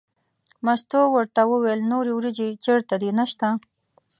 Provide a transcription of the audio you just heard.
مستو ورته وویل نورې وریجې چېرته دي نشته.